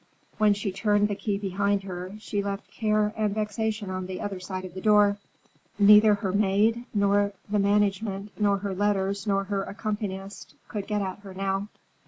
When she turned the key behind her, she left care and vexation on the other side of the door. Neither her maid nor the management nor her letters nor her accompanist could get at her now.